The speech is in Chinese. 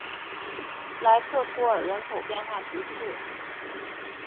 莱克图尔人口变化图示